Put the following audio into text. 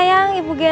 nailah nailah nailah